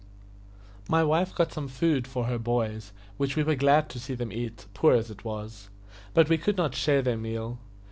My wife got some food for her boys, which we were glad to see them eat, poor as it was; but we could not share their meal.